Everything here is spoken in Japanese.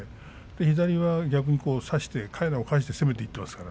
左は逆に差してかいなを返して攻めていきました。